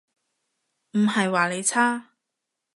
唔係話你差